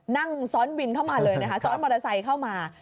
นั่งซ้อนวินเข้ามาเลยนะคะซ้อนมอเตอร์ไซค์เข้ามา